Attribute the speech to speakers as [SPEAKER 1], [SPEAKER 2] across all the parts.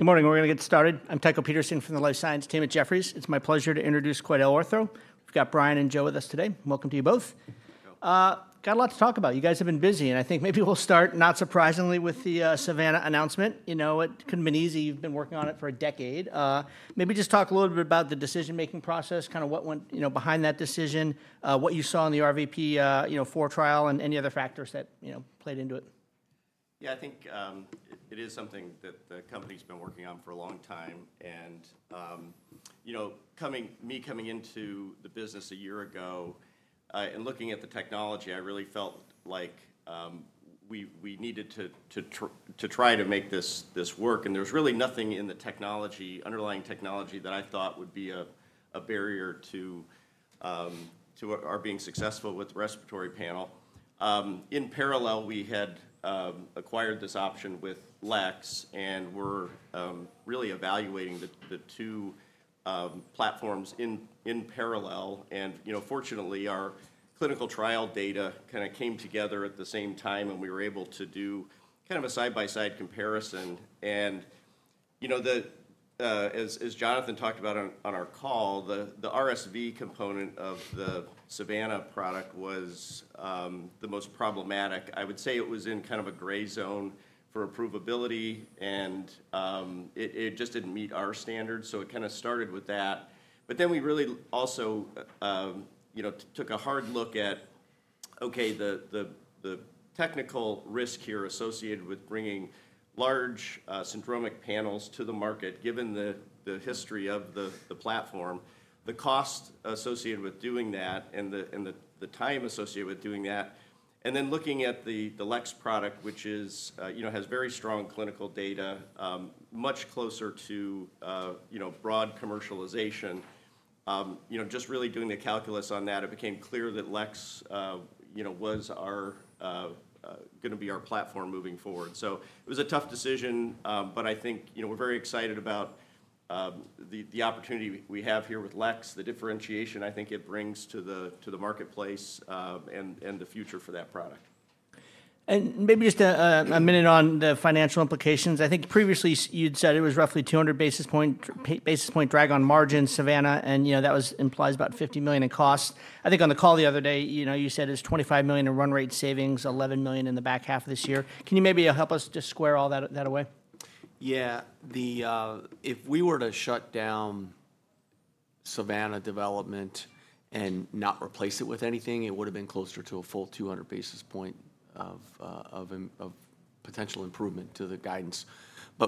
[SPEAKER 1] Good morning. We're going to get started. I'm Tycho Peterson from the Life Science Team at Jefferies. It's my pleasure to introduce QuidelOrtho. We've got Brian and Joe with us today. Welcome to you both. Got a lot to talk about. You guys have been busy. I think maybe we'll start, not surprisingly, with the SAVANNA announcement. You know, it couldn't have been easy. You've been working on it for a decade. Maybe just talk a little bit about the decision-making process, kind of what went behind that decision, what you saw in the RVP4 trial, and any other factors that played into it.
[SPEAKER 2] Yeah, I think it is something that the company's been working on for a long time. And, you know, me coming into the business a year ago and looking at the technology, I really felt like we needed to try to make this work. And there was really nothing in the underlying technology that I thought would be a barrier to our being successful with the respiratory panel. In parallel, we had acquired this option with LEX and were really evaluating the two platforms in parallel. And, you know, fortunately, our clinical trial data kind of came together at the same time, and we were able to do kind of a side-by-side comparison. And, you know, as Jonathan talked about on our call, the RSV component of the SAVANNA product was the most problematic. I would say it was in kind of a gray zone for approvability, and it just did not meet our standards. It kind of started with that. We really also took a hard look at, OK, the technical risk here associated with bringing large syndromic panels to the market, given the history of the platform, the cost associated with doing that, and the time associated with doing that. Looking at the LEX product, which has very strong clinical data, much closer to broad commercialization, just really doing the calculus on that, it became clear that LEX was going to be our platform moving forward. It was a tough decision. I think we are very excited about the opportunity we have here with LEX, the differentiation I think it brings to the marketplace and the future for that product.
[SPEAKER 1] Maybe just a minute on the financial implications. I think previously you'd said it was roughly 200 basis point drag on margin SAVANNA, and that implies about $50 million in costs. I think on the call the other day, you said it's $25 million in run rate savings, $11 million in the back half of this year. Can you maybe help us just square all that away?
[SPEAKER 3] Yeah. If we were to shut down SAVANNA development and not replace it with anything, it would have been closer to a full 200 basis point of potential improvement to the guidance.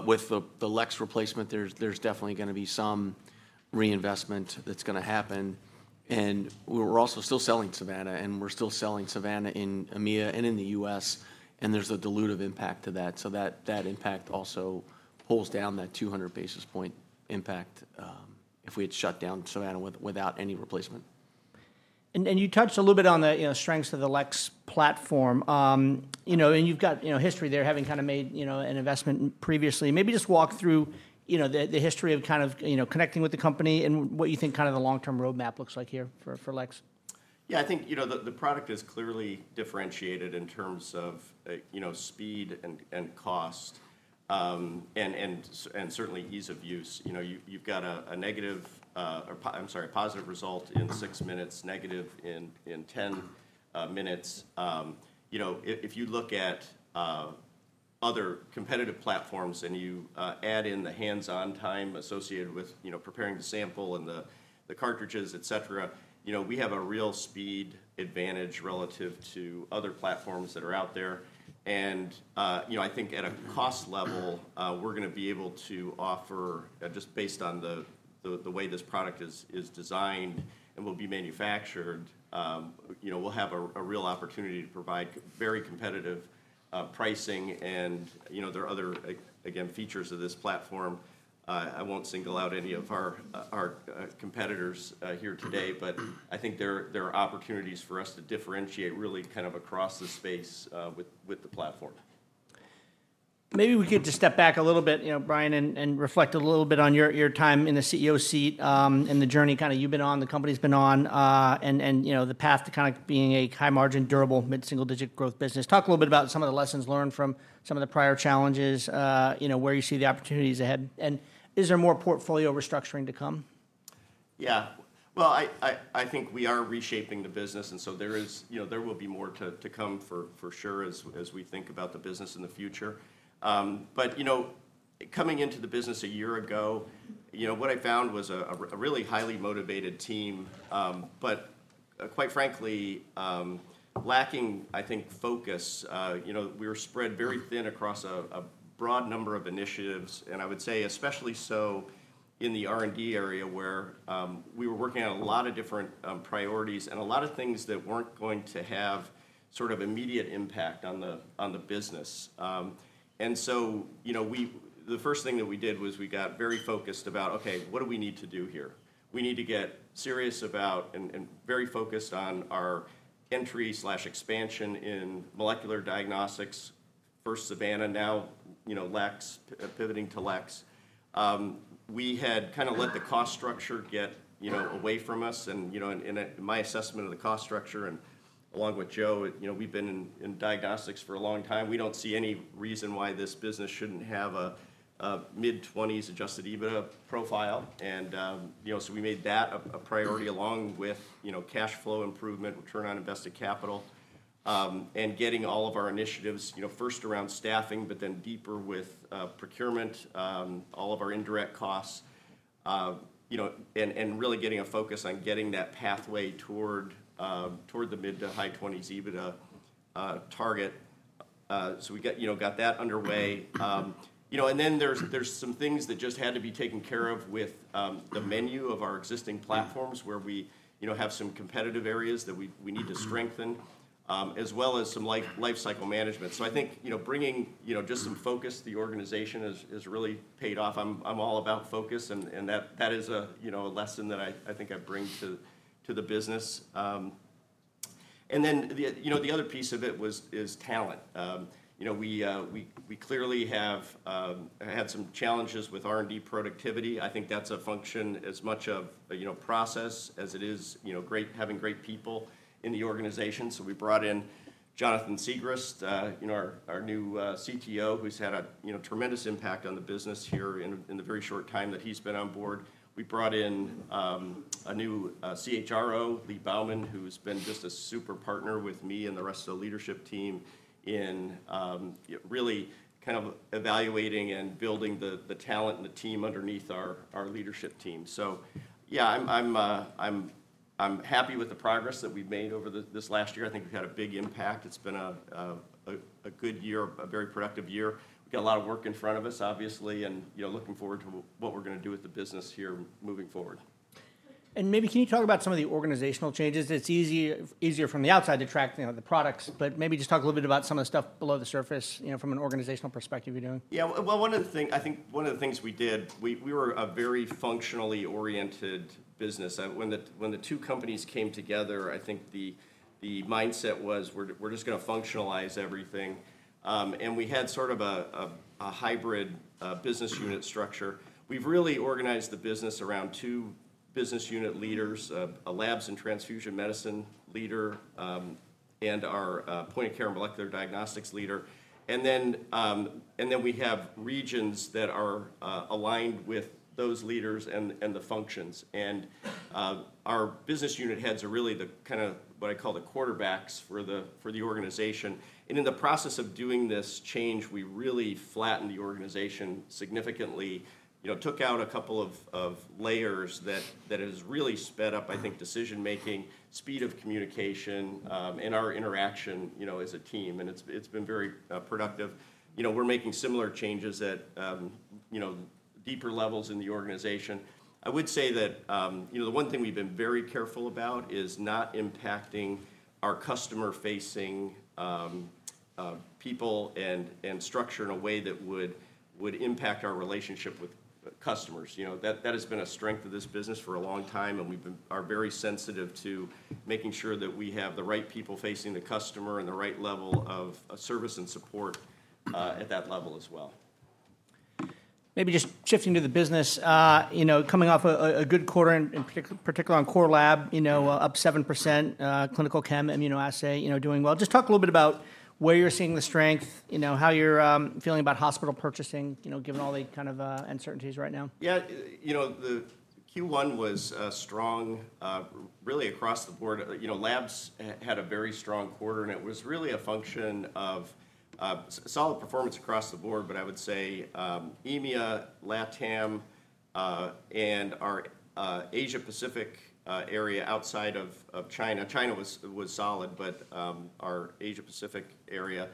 [SPEAKER 3] With the LEX replacement, there's definitely going to be some reinvestment that's going to happen. We're also still selling SAVANNA, and we're still selling SAVANNA in EMEA and in the U.S. There's a dilutive impact to that. That impact also pulls down that 200 basis point impact if we had shut down SAVANNA without any replacement.
[SPEAKER 1] You touched a little bit on the strengths of the LEX platform. You have got history there having kind of made an investment previously. Maybe just walk through the history of kind of connecting with the company and what you think kind of the long-term roadmap looks like here for LEX.
[SPEAKER 2] Yeah, I think the product is clearly differentiated in terms of speed and cost and certainly ease of use. You've got a negative—I'm sorry, positive result in six minutes, negative in 10 minutes. If you look at other competitive platforms and you add in the hands-on time associated with preparing the sample and the cartridges, et cetera, we have a real speed advantage relative to other platforms that are out there. I think at a cost level, we're going to be able to offer, just based on the way this product is designed and will be manufactured, we'll have a real opportunity to provide very competitive pricing. There are other, again, features of this platform. I won't single out any of our competitors here today. I think there are opportunities for us to differentiate really kind of across the space with the platform.
[SPEAKER 1] Maybe we could just step back a little bit, Brian, and reflect a little bit on your time in the CEO seat and the journey kind of you've been on, the company's been on, and the path to kind of being a high-margin, durable, mid-single-digit growth business. Talk a little bit about some of the lessons learned from some of the prior challenges, where you see the opportunities ahead. Is there more portfolio restructuring to come?
[SPEAKER 2] Yeah. I think we are reshaping the business. There will be more to come for sure as we think about the business in the future. Coming into the business a year ago, what I found was a really highly motivated team. Quite frankly, lacking, I think, focus. We were spread very thin across a broad number of initiatives. I would say especially so in the R&D area where we were working on a lot of different priorities and a lot of things that were not going to have sort of immediate impact on the business. The first thing that we did was we got very focused about, OK, what do we need to do here? We need to get serious about and very focused on our entry/expansion in molecular diagnostics, first SAVANNA, now LEX, pivoting to LEX. We had kind of let the cost structure get away from us. In my assessment of the cost structure, and along with Joe, we've been in diagnostics for a long time, we don't see any reason why this business shouldn't have a mid-20s adjusted EBITDA profile. We made that a priority along with cash flow improvement, return on invested capital, and getting all of our initiatives first around staffing, but then deeper with procurement, all of our indirect costs, and really getting a focus on getting that pathway toward the mid to high 20s EBITDA target. We got that underway. There are some things that just had to be taken care of with the menu of our existing platforms where we have some competitive areas that we need to strengthen, as well as some life cycle management. I think bringing just some focus to the organization has really paid off. I'm all about focus. That is a lesson that I think I bring to the business. The other piece of it is talent. We clearly have had some challenges with R&D productivity. I think that's a function as much of a process as it is having great people in the organization. We brought in Jonathan Siegrist, our new CTO, who's had a tremendous impact on the business here in the very short time that he's been on board. We brought in a new CHRO, Lee Bowman, who's been just a super partner with me and the rest of the leadership team in really kind of evaluating and building the talent and the team underneath our leadership team. Yeah, I'm happy with the progress that we've made over this last year. I think we've had a big impact. It's been a good year, a very productive year. We've got a lot of work in front of us, obviously, and looking forward to what we're going to do with the business here moving forward.
[SPEAKER 1] Can you talk about some of the organizational changes? It's easier from the outside to track the products. Maybe just talk a little bit about some of the stuff below the surface from an organizational perspective you're doing.
[SPEAKER 2] Yeah. One of the things I think one of the things we did, we were a very functionally oriented business. When the two companies came together, I think the mindset was we're just going to functionalize everything. We had sort of a hybrid business unit structure. We've really organized the business around two business unit leaders, a labs and transfusion medicine leader and our point of care and molecular diagnostics leader. We have regions that are aligned with those leaders and the functions. Our business unit heads are really the kind of what I call the quarterbacks for the organization. In the process of doing this change, we really flattened the organization significantly, took out a couple of layers that has really sped up, I think, decision-making, speed of communication, and our interaction as a team. It's been very productive. We're making similar changes at deeper levels in the organization. I would say that the one thing we've been very careful about is not impacting our customer-facing people and structure in a way that would impact our relationship with customers. That has been a strength of this business for a long time. We are very sensitive to making sure that we have the right people facing the customer and the right level of service and support at that level as well.
[SPEAKER 1] Maybe just shifting to the business, coming off a good quarter, particularly on core lab, up 7%, clinical chem immunoassay doing well. Just talk a little bit about where you're seeing the strength, how you're feeling about hospital purchasing, given all the kind of uncertainties right now.
[SPEAKER 2] Yeah. Q1 was strong, really across the board. Labs had a very strong quarter. It was really a function of solid performance across the board. I would say EMEA, LATAM, and our Asia-Pacific area outside of China. China was solid. Our Asia-Pacific area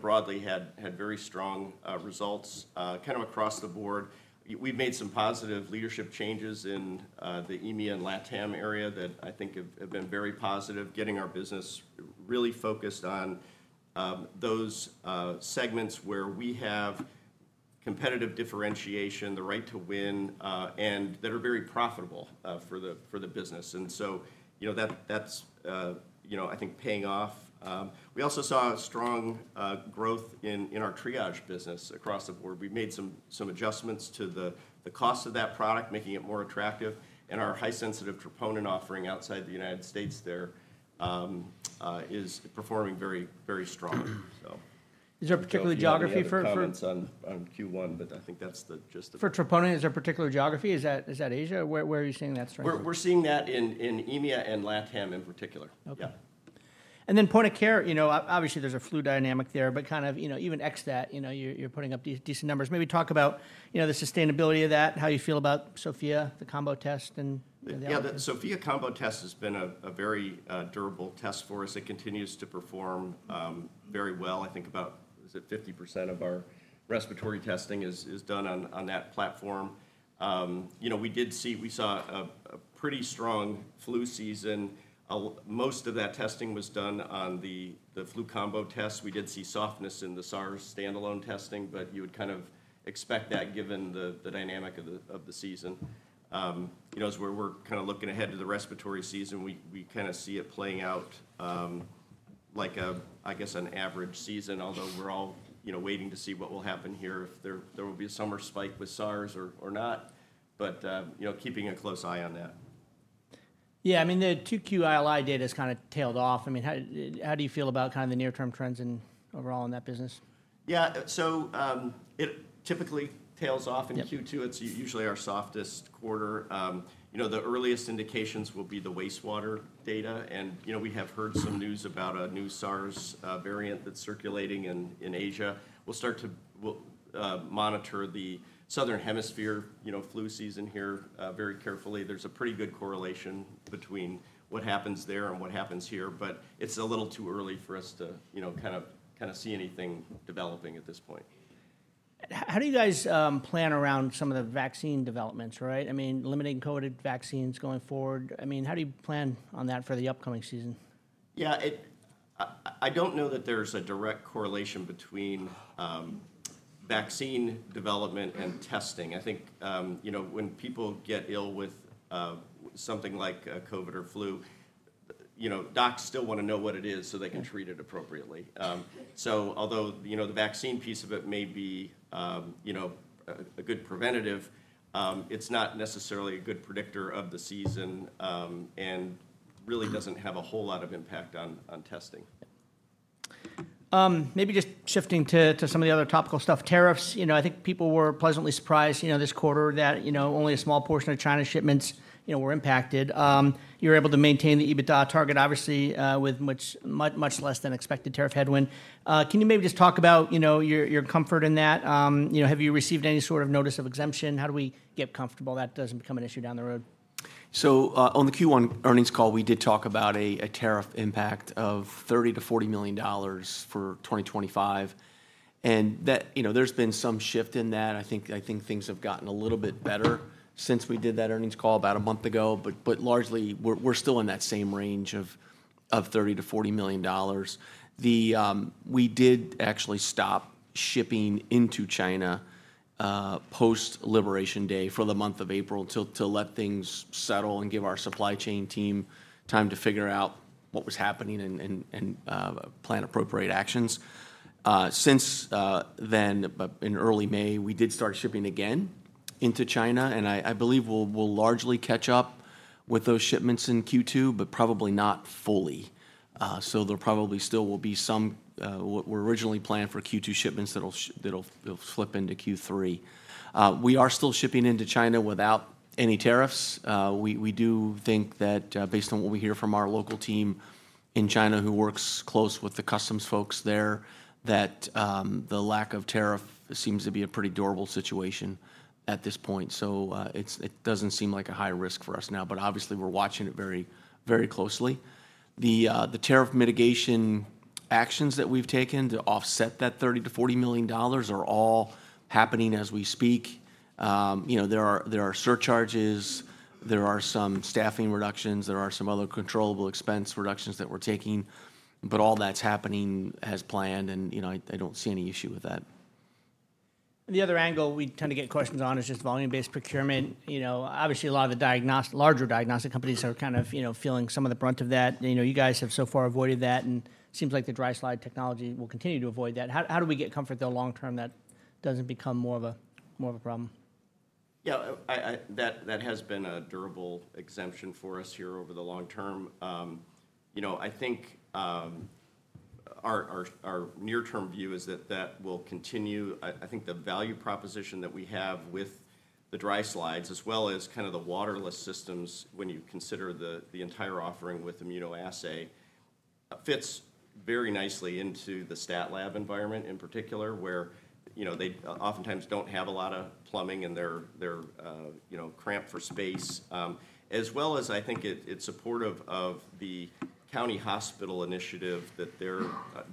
[SPEAKER 2] broadly had very strong results kind of across the board. We've made some positive leadership changes in the EMEA and LATAM area that I think have been very positive, getting our business really focused on those segments where we have competitive differentiation, the right to win, and that are very profitable for the business. I think that's paying off. We also saw strong growth in our Triage business across the board. We made some adjustments to the cost of that product, making it more attractive. Our high-sensitive troponin offering outside the United States there is performing very, very strong.
[SPEAKER 1] Is there a particular geography for?
[SPEAKER 2] We've seen some strong trends on Q1. I think that's just.
[SPEAKER 1] For troponin, is there a particular geography? Is that Asia? Where are you seeing that strength?
[SPEAKER 2] We're seeing that in EMEA and LATAM in particular.
[SPEAKER 1] OK. And then point of care, obviously there's a flu dynamic there. But kind of even ex that, you're putting up decent numbers. Maybe talk about the sustainability of that, how you feel about SOFIA, the combo test and the other.
[SPEAKER 2] Yeah. The SOFIA combo test has been a very durable test for us. It continues to perform very well. I think about, is it 50% of our respiratory testing is done on that platform. We saw a pretty strong flu season. Most of that testing was done on the flu combo test. We did see softness in the SARS standalone testing. You would kind of expect that given the dynamic of the season. As we're kind of looking ahead to the respiratory season, we kind of see it playing out like, I guess, an average season, although we're all waiting to see what will happen here, if there will be a summer spike with SARS or not. Keeping a close eye on that.
[SPEAKER 1] Yeah. I mean, the 2Q ILI data has kind of tailed off. I mean, how do you feel about kind of the near-term trends overall in that business?
[SPEAKER 2] Yeah. So it typically tails off in Q2. It's usually our softest quarter. The earliest indications will be the wastewater data. And we have heard some news about a new SARS variant that's circulating in Asia. We'll start to monitor the southern hemisphere flu season here very carefully. There's a pretty good correlation between what happens there and what happens here. It's a little too early for us to kind of see anything developing at this point.
[SPEAKER 1] How do you guys plan around some of the vaccine developments, right? I mean, limiting COVID vaccines going forward. I mean, how do you plan on that for the upcoming season?
[SPEAKER 2] Yeah. I don't know that there's a direct correlation between vaccine development and testing. I think when people get ill with something like COVID or flu, docs still want to know what it is so they can treat it appropriately. Although the vaccine piece of it may be a good preventative, it's not necessarily a good predictor of the season and really doesn't have a whole lot of impact on testing.
[SPEAKER 1] Maybe just shifting to some of the other topical stuff, tariffs. I think people were pleasantly surprised this quarter that only a small portion of China's shipments were impacted. You were able to maintain the EBITDA target, obviously, with much less than expected tariff headwind. Can you maybe just talk about your comfort in that? Have you received any sort of notice of exemption? How do we get comfortable that it doesn't become an issue down the road?
[SPEAKER 3] On the Q1 earnings call, we did talk about a tariff impact of $30 million-$40 million for 2025. There's been some shift in that. I think things have gotten a little bit better since we did that earnings call about a month ago. Largely, we're still in that same range of $30 million-$40 million. We did actually stop shipping into China post-Liberation Day for the month of April to let things settle and give our supply chain team time to figure out what was happening and plan appropriate actions. Since then, in early May, we did start shipping again into China. I believe we'll largely catch up with those shipments in Q2, but probably not fully. There probably still will be some we originally planned for Q2 shipments that'll slip into Q3. We are still shipping into China without any tariffs. We do think that based on what we hear from our local team in China, who works close with the customs folks there, that the lack of tariff seems to be a pretty durable situation at this point. It does not seem like a high risk for us now. Obviously, we are watching it very closely. The tariff mitigation actions that we have taken to offset that $30 million-$40 million are all happening as we speak. There are surcharges. There are some staffing reductions. There are some other controllable expense reductions that we are taking. All that is happening as planned. I do not see any issue with that.
[SPEAKER 1] The other angle we tend to get questions on is just volume-based procurement. Obviously, a lot of the larger diagnostic companies are kind of feeling some of the brunt of that. You guys have so far avoided that. It seems like the dry slide technology will continue to avoid that. How do we get comfort there long term that doesn't become more of a problem?
[SPEAKER 2] Yeah. That has been a durable exemption for us here over the long term. I think our near-term view is that that will continue. I think the value proposition that we have with the dry slides, as well as kind of the waterless systems when you consider the entire offering with immunoassay, fits very nicely into the stat lab environment in particular, where they oftentimes do not have a lot of plumbing and they are cramped for space, as well as I think it is supportive of the county hospital initiative that they are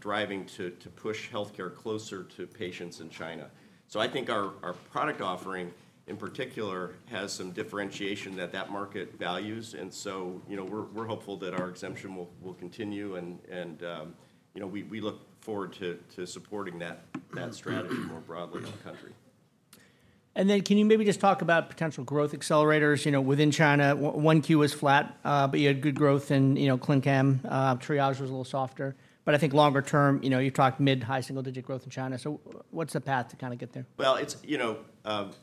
[SPEAKER 2] driving to push health care closer to patients in China. I think our product offering in particular has some differentiation that that market values. We are hopeful that our exemption will continue. We look forward to supporting that strategy more broadly in the country.
[SPEAKER 1] Can you maybe just talk about potential growth accelerators within China? 1Q was flat. You had good growth in clin chem, triage was a little softer. I think longer term, you've talked mid, high single-digit growth in China. What is the path to kind of get there?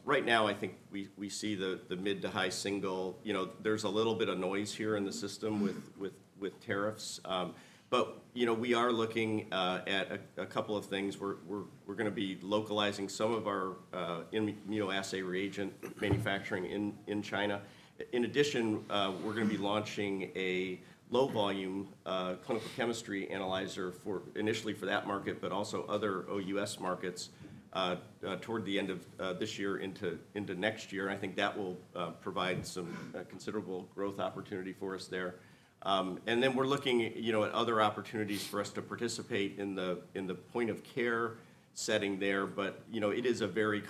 [SPEAKER 2] Right now, I think we see the mid to high single. There's a little bit of noise here in the system with tariffs. We are looking at a couple of things. We're going to be localizing some of our immunoassay reagent manufacturing in China. In addition, we're going to be launching a low-volume clinical chemistry analyzer initially for that market, but also other OUS markets toward the end of this year into next year. I think that will provide some considerable growth opportunity for us there. We are looking at other opportunities for us to participate in the point of care setting there. It is a very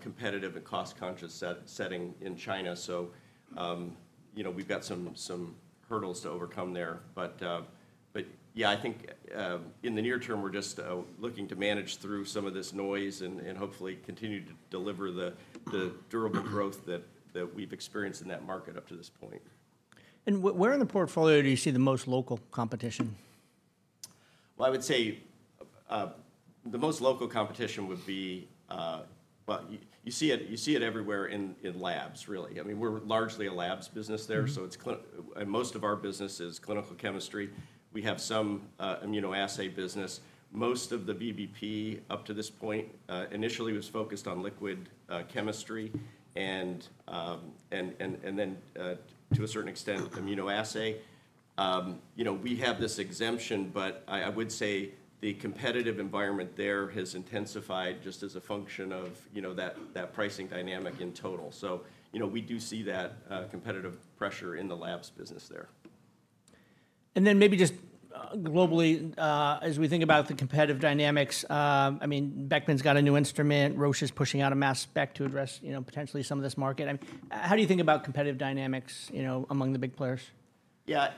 [SPEAKER 2] competitive and cost-conscious setting in China. We've got some hurdles to overcome there. Yeah, I think in the near term, we're just looking to manage through some of this noise and hopefully continue to deliver the durable growth that we've experienced in that market up to this point.
[SPEAKER 1] Where in the portfolio do you see the most local competition?
[SPEAKER 2] I would say the most local competition would be, you see it everywhere in labs, really. I mean, we're largely a labs business there. Most of our business is clinical chemistry. We have some immunoassay business. Most of the BBP up to this point initially was focused on liquid chemistry and then, to a certain extent, immunoassay. We have this exemption. I would say the competitive environment there has intensified just as a function of that pricing dynamic in total. We do see that competitive pressure in the labs business there.
[SPEAKER 1] Maybe just globally, as we think about the competitive dynamics, I mean, Beckman's got a new instrument. Roche is pushing out a mass spec to address potentially some of this market. How do you think about competitive dynamics among the big players?
[SPEAKER 2] Yeah.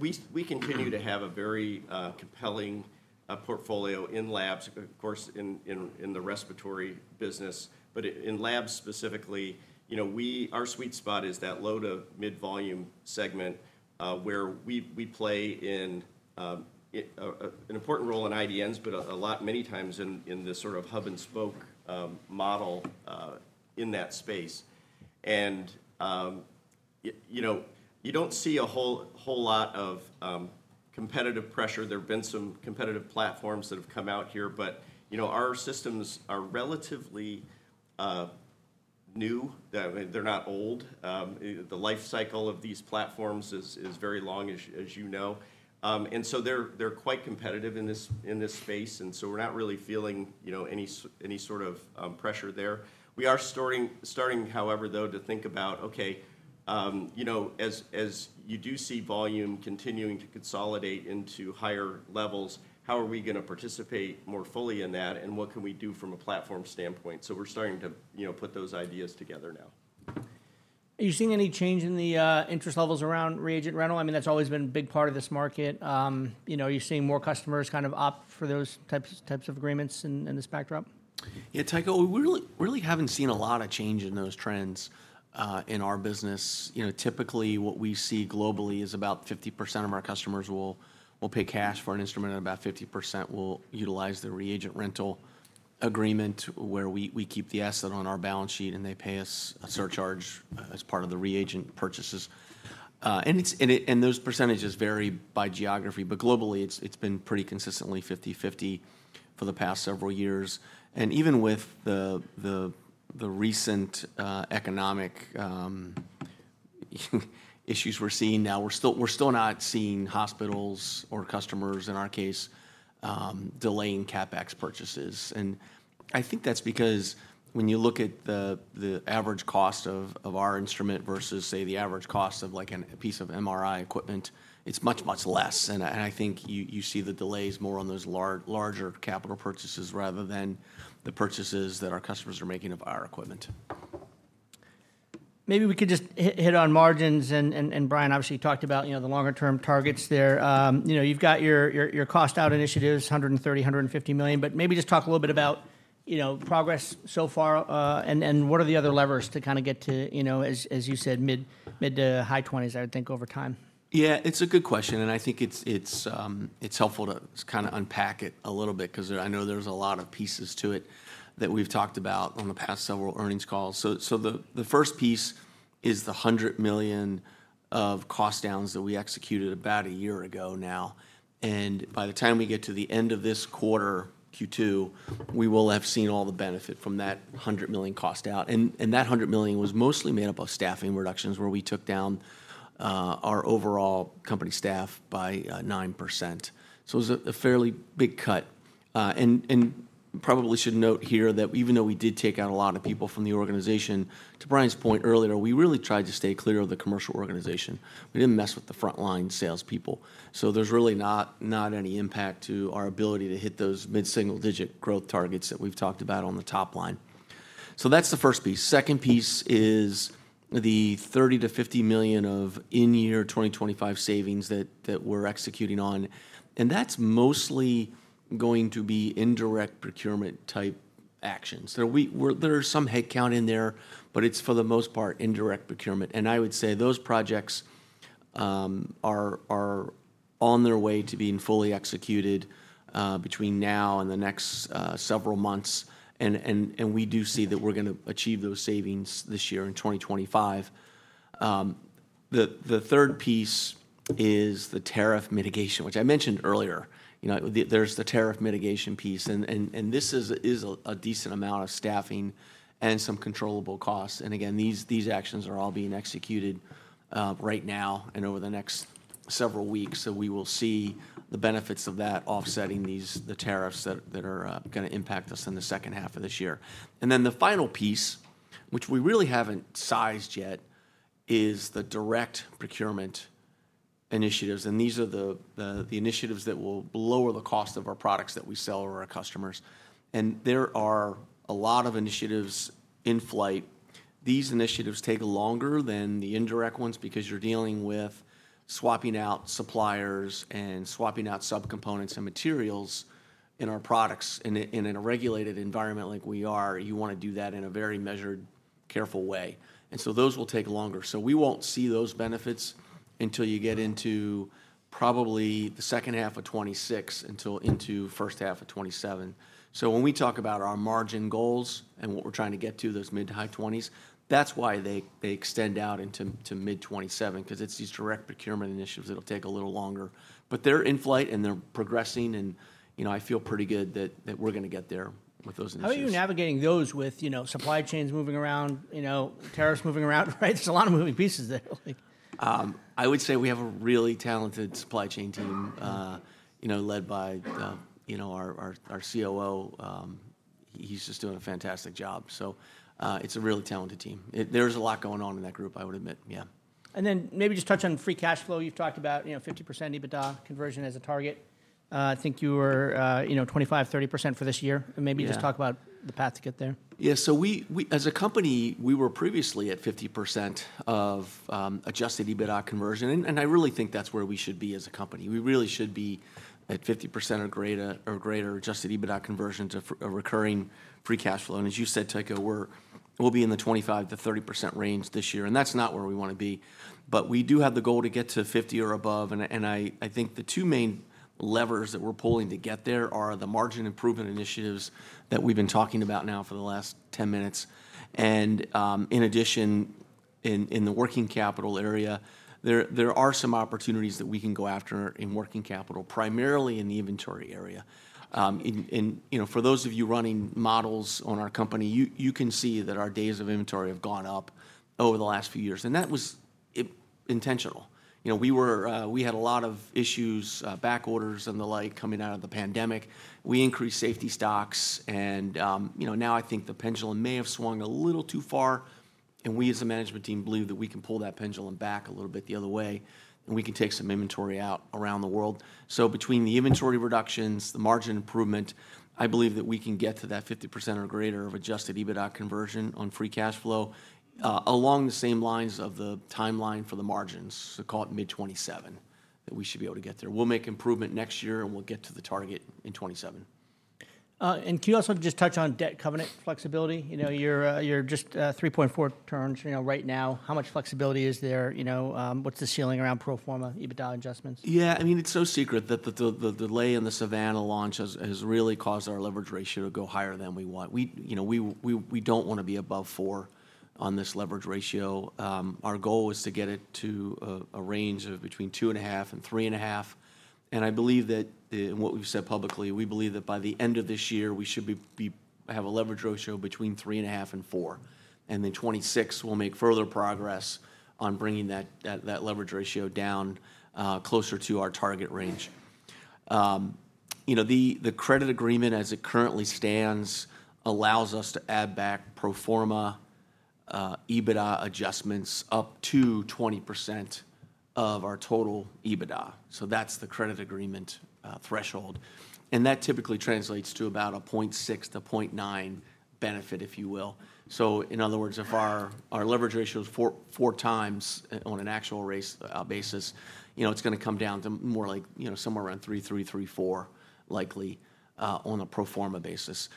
[SPEAKER 2] We continue to have a very compelling portfolio in labs, of course, in the respiratory business. In labs specifically, our sweet spot is that low to mid-volume segment, where we play an important role in IDNs, but many times in this sort of hub-and-spoke model in that space. You do not see a whole lot of competitive pressure. There have been some competitive platforms that have come out here. Our systems are relatively new. They are not old. The life cycle of these platforms is very long, as you know. They are quite competitive in this space. We are not really feeling any sort of pressure there. We are starting, however, to think about, OK, as you do see volume continuing to consolidate into higher levels, how are we going to participate more fully in that? What can we do from a platform standpoint? We're starting to put those ideas together now.
[SPEAKER 1] Are you seeing any change in the interest levels around reagent rental? I mean, that's always been a big part of this market. Are you seeing more customers kind of opt for those types of agreements in the SPAC drop?
[SPEAKER 3] Yeah. Tycho, we really have not seen a lot of change in those trends in our business. Typically, what we see globally is about 50% of our customers will pay cash for an instrument, and about 50% will utilize the reagent rental agreement, where we keep the asset on our balance sheet, and they pay us a surcharge as part of the reagent purchases. Those percentages vary by geography. Globally, it has been pretty consistently 50/50 for the past several years. Even with the recent economic issues we are seeing now, we are still not seeing hospitals or customers, in our case, delaying CapEx purchases. I think that is because when you look at the average cost of our instrument versus, say, the average cost of a piece of MRI equipment, it is much, much less. I think you see the delays more on those larger capital purchases rather than the purchases that our customers are making of our equipment.
[SPEAKER 1] Maybe we could just hit on margins. Brian, obviously, talked about the longer-term targets there. You have got your cost-out initiatives, $130 million-$150 million. Maybe just talk a little bit about progress so far. What are the other levers to kind of get to, as you said, mid to high 20s, I would think, over time?
[SPEAKER 3] Yeah. It's a good question. I think it's helpful to kind of unpack it a little bit because I know there's a lot of pieces to it that we've talked about on the past several earnings calls. The first piece is the $100 million of cost-downs that we executed about a year ago now. By the time we get to the end of this quarter, Q2, we will have seen all the benefit from that $100 million cost-down. That $100 million was mostly made up of staffing reductions, where we took down our overall company staff by 9%. It was a fairly big cut. I probably should note here that even though we did take out a lot of people from the organization, to Brian's point earlier, we really tried to stay clear of the commercial organization. We didn't mess with the frontline salespeople. There is really not any impact to our ability to hit those mid-single-digit growth targets that we have talked about on the top line. That is the first piece. The second piece is the $30 million-$50 million of in-year 2025 savings that we are executing on. That is mostly going to be indirect procurement-type actions. There is some headcount in there, but it is for the most part indirect procurement. I would say those projects are on their way to being fully executed between now and the next several months. We do see that we are going to achieve those savings this year in 2025. The third piece is the tariff mitigation, which I mentioned earlier. There is the tariff mitigation piece. This is a decent amount of staffing and some controllable costs. Again, these actions are all being executed right now and over the next several weeks. We will see the benefits of that offsetting the tariffs that are going to impact us in the second half of this year. The final piece, which we really have not sized yet, is the direct procurement initiatives. These are the initiatives that will lower the cost of our products that we sell to our customers. There are a lot of initiatives in flight. These initiatives take longer than the indirect ones because you are dealing with swapping out suppliers and swapping out subcomponents and materials in our products. In a regulated environment like we are, you want to do that in a very measured, careful way. Those will take longer. We will not see those benefits until you get into probably the second half of 2026 until into first half of 2027. When we talk about our margin goals and what we're trying to get to, those mid to high 20s, that's why they extend out into mid-2027 because it's these direct procurement initiatives that'll take a little longer. They're in flight, and they're progressing. I feel pretty good that we're going to get there with those initiatives.
[SPEAKER 1] How are you navigating those with supply chains moving around, tariffs moving around? There is a lot of moving pieces there.
[SPEAKER 3] I would say we have a really talented supply chain team led by our COO. He's just doing a fantastic job. It is a really talented team. There's a lot going on in that group, I would admit. Yeah.
[SPEAKER 1] Maybe just touch on free cash flow. You've talked about 50% EBITDA conversion as a target. I think you were 25%, 30% for this year. Maybe just talk about the path to get there.
[SPEAKER 3] Yeah. As a company, we were previously at 50% of adjusted EBITDA conversion. I really think that's where we should be as a company. We really should be at 50% or greater adjusted EBITDA conversion to recurring free cash flow. As you said, Tycho, we'll be in the 25%-30% range this year. That's not where we want to be. We do have the goal to get to 50% or above. I think the two main levers that we're pulling to get there are the margin improvement initiatives that we've been talking about now for the last 10 minutes. In addition, in the working capital area, there are some opportunities that we can go after in working capital, primarily in the inventory area. For those of you running models on our company, you can see that our days of inventory have gone up over the last few years. That was intentional. We had a lot of issues, back orders and the like, coming out of the pandemic. We increased safety stocks. Now I think the pendulum may have swung a little too far. We, as a management team, believe that we can pull that pendulum back a little bit the other way. We can take some inventory out around the world. Between the inventory reductions and the margin improvement, I believe that we can get to that 50% or greater of adjusted EBITDA conversion on free cash flow along the same lines of the timeline for the margins. Call it mid-2027 that we should be able to get there. We'll make improvement next year, and we'll get to the target in 2027.
[SPEAKER 1] Can you also just touch on debt covenant flexibility? You're just 3.4x right now. How much flexibility is there? What's the ceiling around pro forma EBITDA adjustments?
[SPEAKER 3] Yeah. I mean, it's no secret that the delay in the SAVANNA launch has really caused our leverage ratio to go higher than we want. We don't want to be above 4 on this leverage ratio. Our goal is to get it to a range of between 2.5 and 3.5. I believe that, and what we've said publicly, we believe that by the end of this year, we should have a leverage ratio between 3.5 and 4. In 2026, we'll make further progress on bringing that leverage ratio down closer to our target range. The credit agreement, as it currently stands, allows us to add back pro forma EBITDA adjustments up to 20% of our total EBITDA. That's the credit agreement threshold. That typically translates to about a 0.6 to 0.9 benefit, if you will. In other words, if our leverage ratio is 4x on an actual basis, it's going to come down to more like somewhere around 3.3-3.4 likely on a pro forma basis.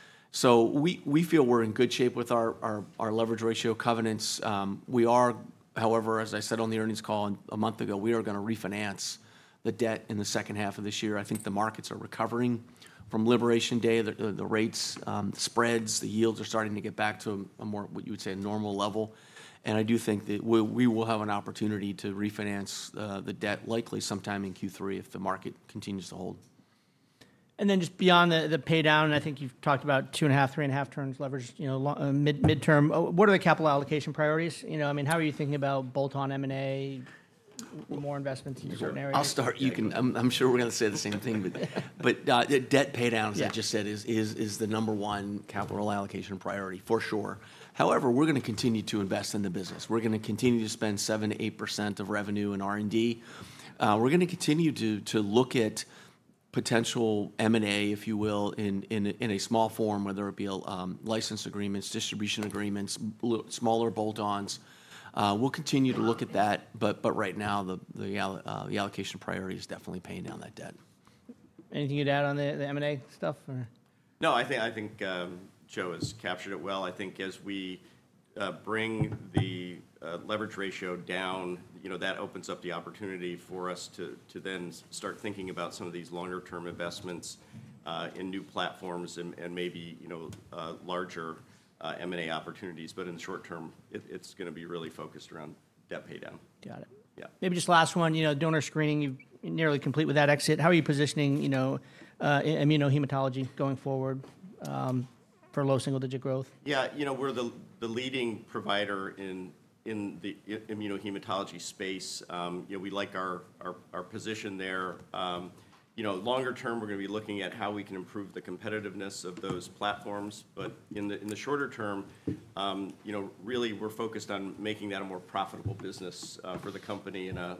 [SPEAKER 3] We feel we're in good shape with our leverage ratio covenants. We are, however, as I said on the earnings call a month ago, going to refinance the debt in the second half of this year. I think the markets are recovering from Liberation Day. The rates, spreads, the yields are starting to get back to a more, what you would say, normal level. I do think that we will have an opportunity to refinance the debt likely sometime in Q3 if the market continues to hold.
[SPEAKER 1] Just beyond the paydown, I think you've talked about 2.5x-3.5x leveraged midterm. What are the capital allocation priorities? I mean, how are you thinking about bolt-on M&A, more investments in certain areas?
[SPEAKER 3] I'll start. I'm sure we're going to say the same thing. Debt paydowns, as I just said, is the number one capital allocation priority for sure. However, we're going to continue to invest in the business. We're going to continue to spend 7%-8% of revenue in R&D. We're going to continue to look at potential M&A, if you will, in a small form, whether it be license agreements, distribution agreements, smaller bolt-ons. We'll continue to look at that. Right now, the allocation priority is definitely paying down that debt.
[SPEAKER 1] Anything you'd add on the M&A stuff?
[SPEAKER 2] No, I think Joe has captured it well. I think as we bring the leverage ratio down, that opens up the opportunity for us to then start thinking about some of these longer-term investments in new platforms and maybe larger M&A opportunities. In the short term, it's going to be really focused around debt paydown.
[SPEAKER 1] Got it. Maybe just last one. Donor screening, you're nearly complete with that exit. How are you positioning Immunohematology going forward for low single-digit growth?
[SPEAKER 2] Yeah. You know, we're the leading provider in the immunohematology space. We like our position there. Longer term, we're going to be looking at how we can improve the competitiveness of those platforms. In the shorter term, really, we're focused on making that a more profitable business for the company and a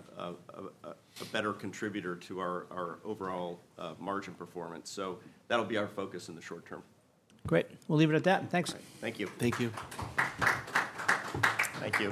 [SPEAKER 2] better contributor to our overall margin performance. That'll be our focus in the short term.
[SPEAKER 1] Great. We'll leave it at that. Thanks.
[SPEAKER 2] Thank you.
[SPEAKER 3] Thank you.
[SPEAKER 2] Thank you.